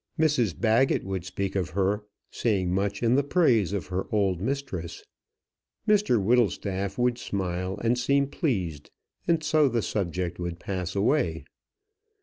Mrs Baggett would speak of her, saying much in the praise of her old mistress. Mr Whittlestaff would smile and seem pleased, and so the subject would pass away.